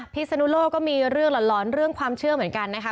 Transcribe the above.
พิศนุโลกก็มีเรื่องหลอนเรื่องความเชื่อเหมือนกันนะคะ